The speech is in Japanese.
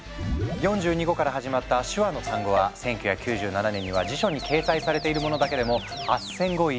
４２語から始まった手話の単語は１９９７年には辞書に掲載されているものだけでも８，０００語以上。